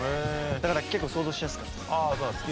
だから結構想像しやすかったです。